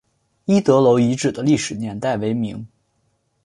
一德楼遗址的历史年代为明。